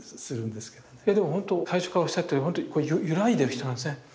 でもほんと最初からおっしゃってるようにゆらいでる人なんですね。